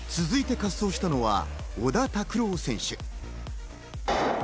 続いて滑走したのは小田卓朗選手。